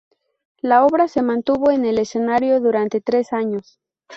La obra se mantuvo en el escenario durante tres años.